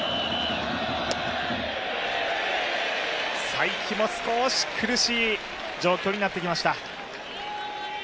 才木も少し苦しい状況になってきました。